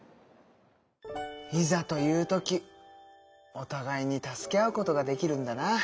いざという時おたがいに助け合うことができるんだな。